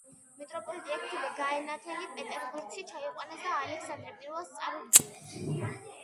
მიტროპოლიტი ექვთიმე გაენათელი პეტერბურგში ჩაიყვანეს და ალექსანდრე პირველს წარუდგინეს.